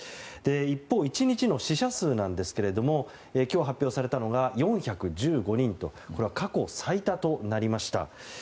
一方、１日の死者数ですが今日発表されたのが４１５人とこれは過去最多となりました。